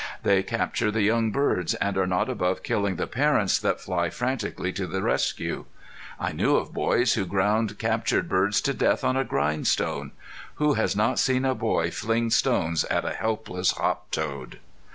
They capture the young birds, and are not above killing the parents that fly frantically to the rescue. I knew of boys who ground captured birds to death on a grindstone. Who has not seen a boy fling stones at a helpless hop toad?